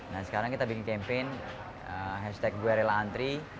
nah sekarang kita bikin campaign hashtag gue rela antri